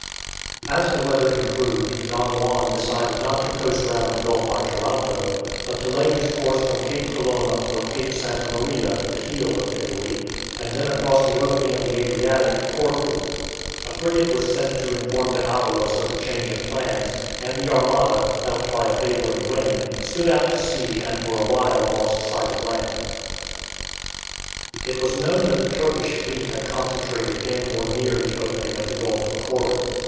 As the weather improved, Don Juan decided not to coast round the Gulf by Taranto, but to lay his course from Cape Colonna for Cape Santa Maria (the heel of Italy), and then across the opening of the Adriatic to Corfu. A frigate was sent to inform D'Avalos of the change of plans, and the armada, helped by a favouring wind, stood out to sea and for a while lost sight of land. It was known that the Turkish fleet had concentrated in or near the opening of the Gulf of Corinth.